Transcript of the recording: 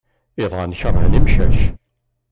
Iḍan keṛhen imcac.